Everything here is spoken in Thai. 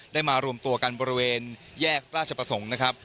มารวมตัวกันบริเวณแยกราชประสงค์นะครับ